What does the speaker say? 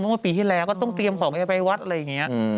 เมื่อปีที่แล้วก็ต้องเตรียมของจะไปวัดอะไรอย่างนี้